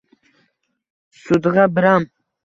Sudg‘a biram.